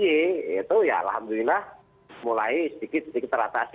itu ya alhamdulillah mulai sedikit sedikit teratasi